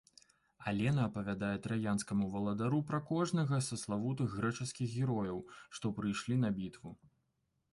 Алена апавядае траянскаму валадару пра кожнага са славутых грэчаскіх герояў, што прыйшлі на бітву.